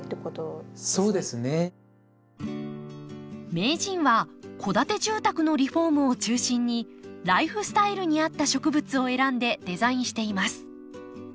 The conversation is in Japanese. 名人は戸建て住宅のリフォームを中心にライフスタイルに合った植物を選んでデザインしています。